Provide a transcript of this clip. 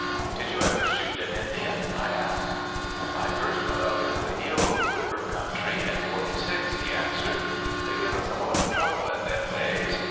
" Did you ever shoot an Indian?'" I asked. *' I hrst w^ent up into the Eel River country in '46," he answered. " They give us a lot of trouble in them days.